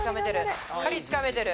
しっかりつかめてる。